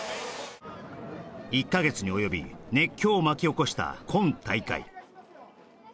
１カ月におよび熱狂を巻き起こした今大会